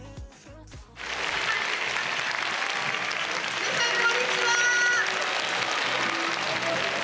皆さんこんにちは！